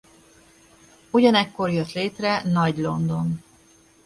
Ugyanekkor jött létre Nagy-London.